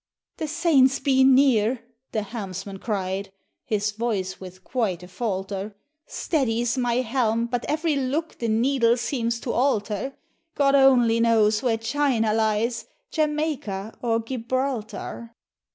"The Saints be near," the helmsman cried, His voice with quite a falter "Steady's my helm, but every look The needle seems to alter; God only knows where China lies, Jamaica, or Gibraltar!"